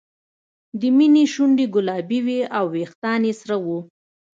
د مینې شونډې ګلابي وې او وېښتان یې سره وو